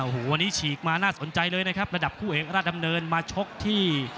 โอ้โหวันนี้ฉีกมาน่าสนใจเลยนะครับระดับคู่เอกราชดำเนินมาชกที่